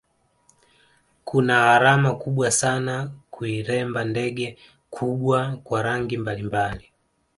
Kuna gharama kubwa sana kuiremba ndege kubwa kwa rangi mbalimbali